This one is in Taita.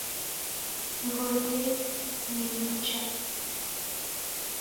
Nighorie ning'icha